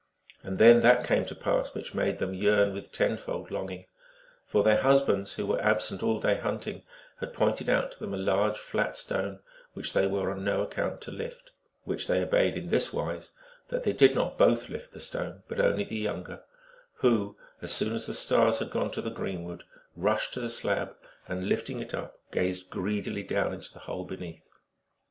And then that came to pass which made them yearn with tenfold longing ; for their husbands, who were absent all day hunting, had pointed out to them a large flat stone, which they were on no account to lift ; which they obeyed in this wise, that they did not both lift the stone, but only the younger, who, as soon as the Stars had gone to the greenwood, rushed to the slab, and, lifting it up, gazed greedily down into the hole beneath.